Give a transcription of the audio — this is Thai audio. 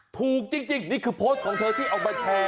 ถูกจริงนี่คือโพสต์ของเธอที่เอามาแชร์